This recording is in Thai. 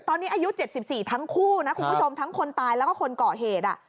ตอนนี้อายุ๗๔ทั้งคู่นะคุณผู้ชมทั้งคนตายแล้วก็คนก่อเหตุ